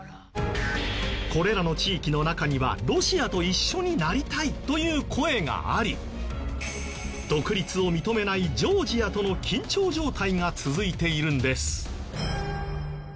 これらの地域の中にはロシアと一緒になりたいという声があり独立を認めないジョージアとの緊張状態が続いているんです。